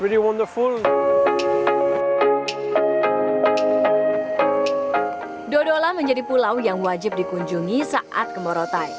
dodola menjadi pulau yang wajib dikunjungi saat ke morotai